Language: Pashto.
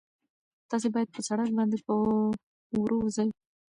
تاسي باید په سړک باندې په ورو ځئ.